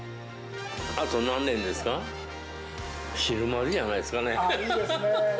あと何年ですか、死ぬまでじいいですね。